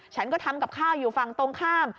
ฉันก็ทำกับข้าวอยู่ฝั่งตรงข้าม